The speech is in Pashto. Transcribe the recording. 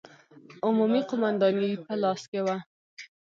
عمومي قومانداني په لاس کې وه.